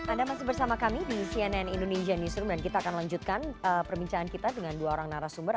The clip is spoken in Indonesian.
anda masih bersama kami di cnn indonesia newsroom dan kita akan lanjutkan perbincangan kita dengan dua orang narasumber